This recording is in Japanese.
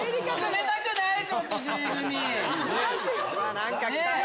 何か来たよ。